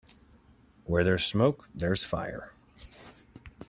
Where there's smoke there's fire.